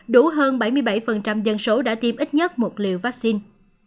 đủ hơn bảy mươi bảy dân số đã tiêm ít nhất một liều vaccine